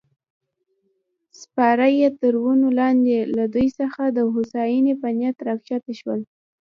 سپاره یې تر ونو لاندې له دوی څخه د هوساینې په نیت راکښته شول.